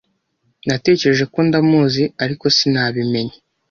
Natekereje ko ndamuzi, ariko sinabimenye.